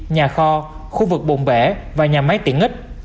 nhà kho khu vực bồn bể và nhà máy tiện ích